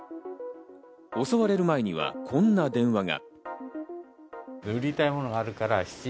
襲われる前には、こんな電話が。